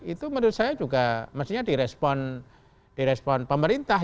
itu menurut saya juga mestinya direspon pemerintah